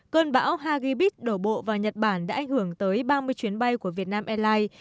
cơn bão hagibis đổ bộ vào nhật bản đã ảnh hưởng tới ba mươi chuyến bay của vietnam airlines